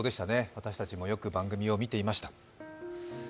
私たちもよく番組を見ていました。